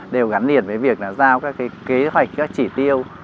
đều gắn liền với việc là giao các kế hoạch các chỉ tiêu